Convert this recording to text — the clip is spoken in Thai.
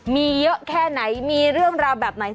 มีเยอะแค่ไหนมีเรื่องราวแบบไหน